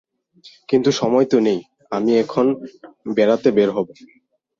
কিন্তু সময় তো নেই, আমি এখন বেড়াতে বের হব।